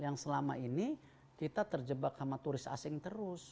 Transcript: yang selama ini kita terjebak sama turis asing terus